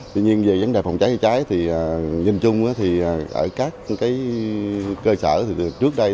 tuy nhiên về vấn đề phòng cháy hay cháy thì nhìn chung thì ở các cơ sở trước đây